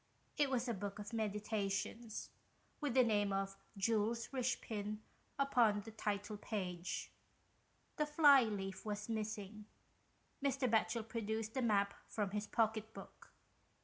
It was a Book of Meditations, with the name of Jules Richepin upon the title page. The fly leaf was missing. Mr. Batchel produced the map from his pocket book.